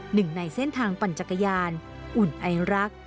หนึ่งในเส้นทางปั่นจักรยานอุ่นไอรัก